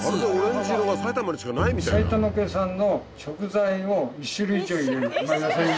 埼玉県産の食材を１種類以上入れる。